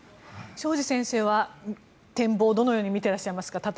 庄司先生は展望をどのように見ていらっしゃいますか。